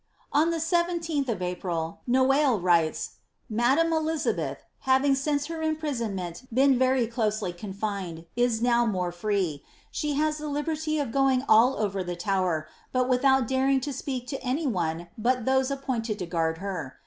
On the 17th of April, Noailles writes, ^Madame Elizabeth, having since her imprisonment been very closely coniined, is now more free. She has the liberty of going all over the Tower, but without daring to speak to any one but those appointed to guard her.